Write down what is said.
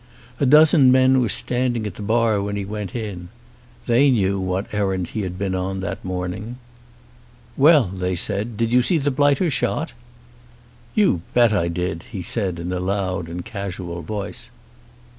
A dozen men were standing at the bar when he went in. They knew on what errand he had been that morning. "Well," they said, "did you see the blighter shot?" "You bet I did," he said, in a loud and casual voice.